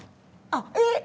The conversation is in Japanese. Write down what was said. あっえっ！？